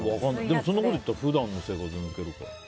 そんなこといったら普段の生活も抜けるか。